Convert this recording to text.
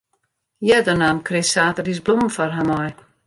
Earder naam Chris saterdeis blommen foar har mei.